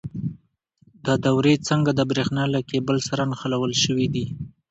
دا دورې څنګه د برېښنا له کیبل سره نښلول شوي دي؟